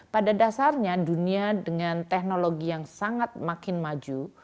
pada dasarnya dunia dengan teknologi yang sangat makin maju